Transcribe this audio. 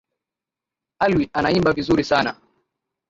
Alwi anaimba vizuri sana.